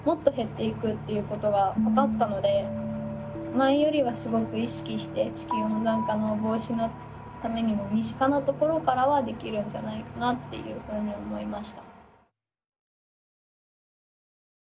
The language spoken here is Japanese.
前よりはすごく意識して地球温暖化の防止のためにも身近なところからはできるんじゃないかなっていうふうに思いました。